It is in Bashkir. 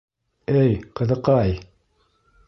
— Эй, ҡыҙыҡай!